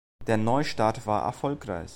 Der Neustart war erfolgreich.